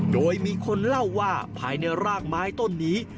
โดยมีคนเล่าว่าภายในรากไม้ต้นนี้